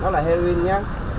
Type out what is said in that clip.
nó là heroin nha